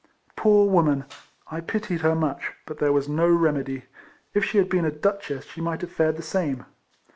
Poor woman ! I pitied her much ; but there was no remedy. If she had been a duchess she must have fared the same.